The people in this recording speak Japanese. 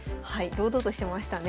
堂々としてましたね。